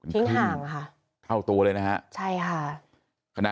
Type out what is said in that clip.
ทิ้งห่างค่ะ